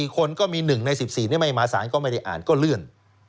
๔คนก็มี๑ใน๑๔ไม่มาสารก็ไม่ได้อ่านก็เลื่อน